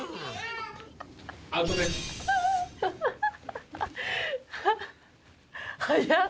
アウトです。